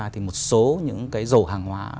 thì một số những cái rổ hàng hóa